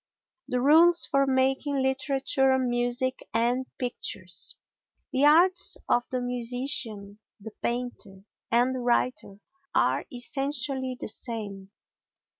The Rules for Making Literature, Music and Pictures The arts of the musician, the painter and the writer are essentially the same.